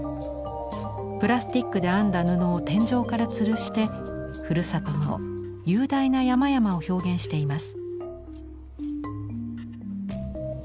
プラスチックで編んだ布を天井からつるしてふるさとの雄大な山々を表現しています。